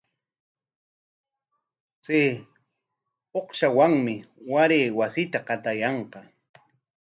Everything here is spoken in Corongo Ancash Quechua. Chay uqashawanmi waray wasita qatayanqa.